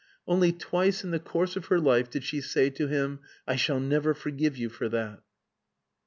Only twice in the course of her life did she say to him: "I shall never forgive you for that!"